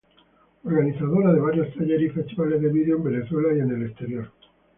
Organizadora de varios talleres y festivales de video en Venezuela y en el exterior.